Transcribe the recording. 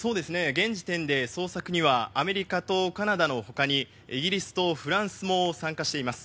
現時点で捜索にはアメリカとカナダの他にイギリスとフランスも参加しています。